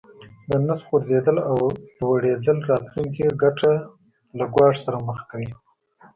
د نرخ غورځیدل او لوړیدل راتلونکې ګټه له ګواښ سره مخ کوي.